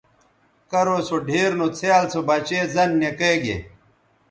کرو سو ڈِھیر نو څھیال سو بچے زَن نِکئے گے